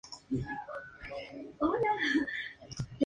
Actualmente no lo emplea más que la Guardia Suiza.